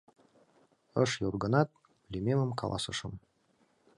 Ыш йод гынат, лӱмемым каласышым.